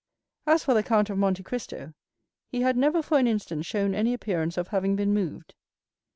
As for the Count of Monte Cristo, he had never for an instant shown any appearance of having been moved.